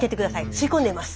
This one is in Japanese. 吸い込んでいます。